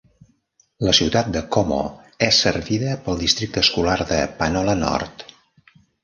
La ciutat de Como és servida pel districte escolar de Panola Nord.